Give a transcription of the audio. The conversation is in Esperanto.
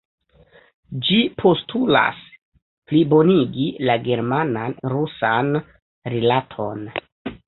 Ĝi postulas plibonigi la german-rusan rilaton.